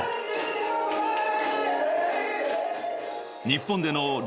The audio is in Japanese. ［日本での］